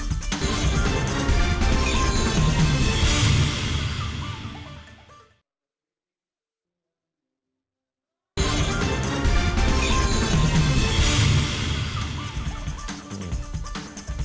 terima kasih pak ajajah